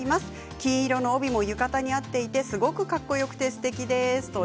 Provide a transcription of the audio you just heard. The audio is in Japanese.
金色の帯も浴衣に合っていてとてもかっこよくてすてきです。